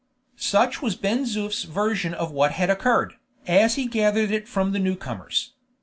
Such was Ben Zoof's version of what had occurred, as he had gathered it from the new comers.